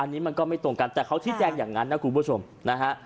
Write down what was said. อันนี้มันก็ไม่ตรงกันแต่เขาชี้แจงอย่างนั้นนะคุณผู้ชมนะฮะ